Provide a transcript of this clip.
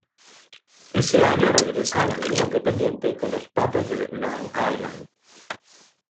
Ese año regresa a la liga independiente con los Patos de Long Island.